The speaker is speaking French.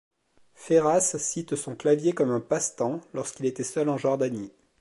Ferras cite son clavier comme un passe-temps lorsqu'il était seul en Jordanie.